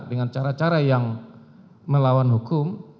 dengan cara cara yang melawan hukum